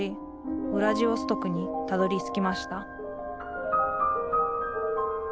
ウラジオストクにたどりつきました